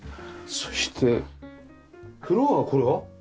そしてフロアはこれは？